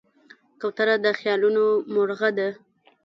کوتره د خیالونو مرغه ده.